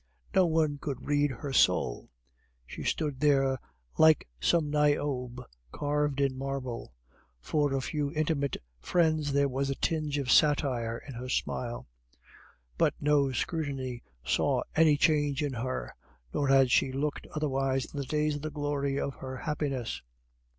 No one could read her soul; she stood there like some Niobe carved in marble. For a few intimate friends there was a tinge of satire in her smile; but no scrutiny saw any change in her, nor had she looked otherwise in the days of the glory of her happiness.